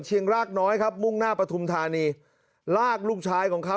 รากน้อยครับมุ่งหน้าปฐุมธานีลากลูกชายของเขา